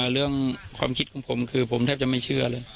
เรื่องความคิดของผมคือผมแทบจะไม่เชื่อเลย